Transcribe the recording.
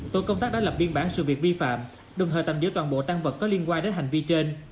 tổ công tác đã lập biên bản sự việc vi phạm đồng thời tạm giữ toàn bộ tăng vật có liên quan đến hành vi trên